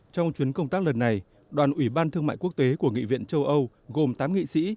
trong chuyến công tác lần này đoàn ủy ban thương mại quốc tế của nghị viện châu âu gồm tám nghị sĩ